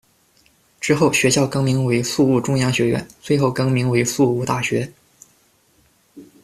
之后，学校更名为宿务中央学院，最后更名为宿务大学。